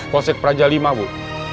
konsek praja lima bu